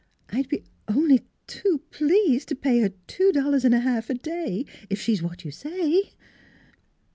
I'd be only too pleased to pay her two dollars n' a ha'f a day, if she's what you say."